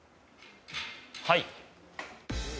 はい。